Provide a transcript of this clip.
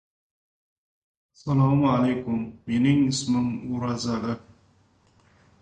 Dunyo navoiyshunoslari Navoiyda jamlandi